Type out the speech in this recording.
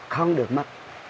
không được mất